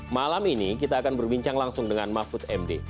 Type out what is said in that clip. malam ini kita akan berbincang langsung dengan mahfud md